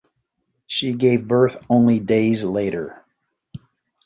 She gave birth only days later.